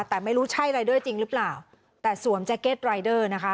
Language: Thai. แต่ไม่รู้ใช่รายเดอร์จริงหรือเปล่าแต่สวมแจ็คเก็ตรายเดอร์นะคะ